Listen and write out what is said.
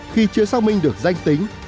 khi chưa xác minh được danh tính